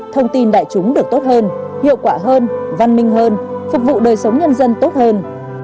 thông tin đại chúng được tốt hơn hiệu quả hơn văn minh hơn phục vụ đời sống nhân dân tốt hơn